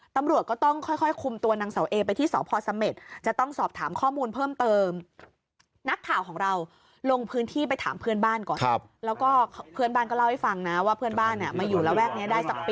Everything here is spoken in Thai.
ตำรวจก็ต้องค่อยคุมตัวนางเสาเอไปที่สพสเมษ